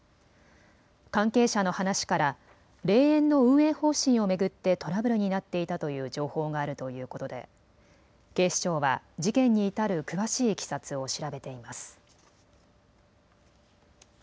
関係者の話から霊園の運営方針を巡ってトラブルになっていたという情報があるということで警視庁は事件に至る詳しいいきさつを調べています。